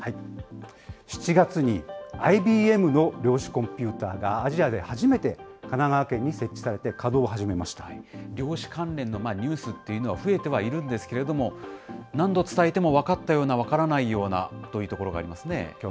７月にＩＢＭの量子コンピューターがアジアで初めて神奈川県量子関連のニュースっていうのは増えてはいるんですけれども、何度伝えても分かったような分からないようなというところがありますね。